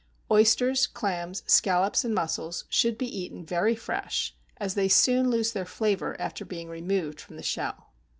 Oysters, clams, scallops, and mussels, should be eaten very fresh, as they soon lose their flavor after being removed from the shell.